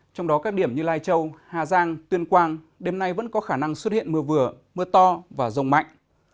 trong đó các điểm như lai châu hà giang tuyên quang đêm nay vẫn có khả năng xuất hiện mưa vừa mưa to và rông mạnh